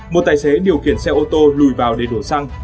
một tài xế điều khiển xe ô tô lùi vào để đổ xăng